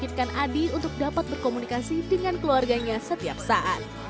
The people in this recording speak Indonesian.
mengizinkan adi untuk dapat berkomunikasi dengan keluarganya setiap saat